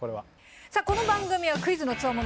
さあこの番組はクイズの強者